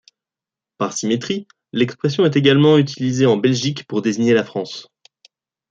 Par symétrie, l'expression est également utilisée en Belgique pour désigner la France.